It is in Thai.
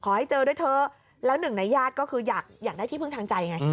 ให้เจอด้วยเถอะแล้วหนึ่งในญาติก็คืออยากได้ที่พึ่งทางใจไง